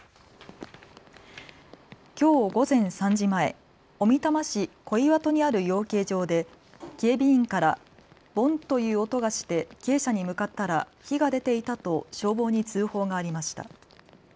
きょう午前３時前、小美玉市小岩戸にある養鶏場で警備員からボンという音がして鶏舎に向かったら火が出ていたと消防に通報がありました。